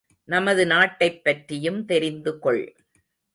நமது நாட்டைப் பற்றியும் தெரிந்துகொள்.